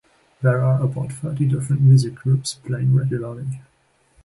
There are about thirty different music groups playing regularly.